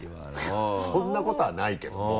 そんなことはないけども。